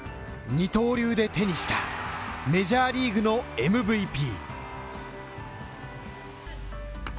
二刀流で手にしたメジャーリーグのＭＶＰ。